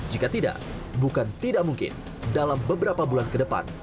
jika tidak bukan tidak mungkin dalam beberapa bulan ke depan